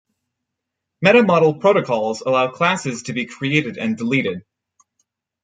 Meta-model protocols allow classes to be created and deleted.